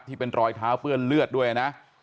ที่เป็นรอยเท้าเปื้อนเลือดด้วยนะ